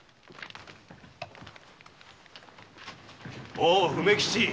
おお梅吉！